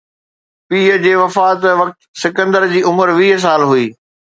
پيءُ جي وفات وقت سڪندر جي عمر ويهه سال هئي